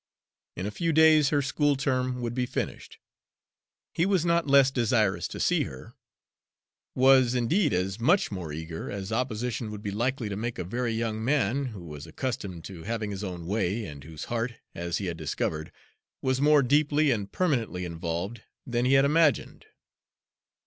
In a few days her school term would be finished. He was not less desirous to see her, was indeed as much more eager as opposition would be likely to make a very young man who was accustomed to having his own way, and whose heart, as he had discovered, was more deeply and permanently involved than he had imagined.